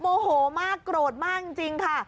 โมโหมากโกรธมากจริงค่ะ